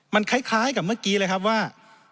มันคล้ายกับเมื่อกี้เลยครับว่า